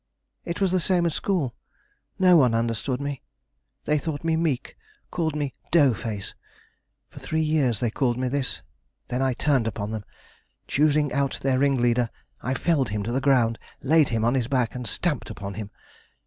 It was the same at school. No one understood me. They thought me meek; called me Dough face. For three years they called me this, then I turned upon them. Choosing out their ringleader, I felled him to the ground, laid him on his back, and stamped upon him.